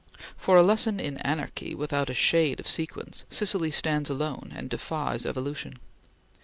For a lesson in anarchy, without a shade of sequence, Sicily stands alone and defies evolution.